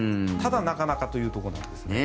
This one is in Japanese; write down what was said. ただ、なかなかというところです。